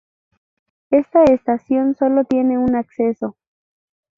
Esta estación solo tiene un acceso.